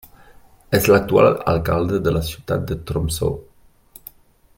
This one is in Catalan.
És l'actual alcalde de la ciutat de Tromsø.